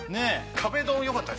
壁ドン良かったですね。